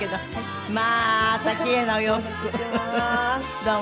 どうも。